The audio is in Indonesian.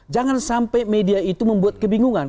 jangan sampai media itu membuat kebingungan